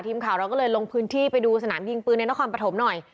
ทีมข่าวเราก็เลยลงพื้นที่ไปดูสนามยิงปืนในนครปฐมหน่อย